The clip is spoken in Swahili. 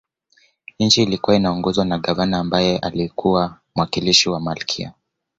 Nchi ilikuwa inaongozwa na Gavana ambaye alikuwa mwakilishi wa Malkia